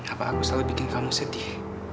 apa aku selalu bikin kamu sedih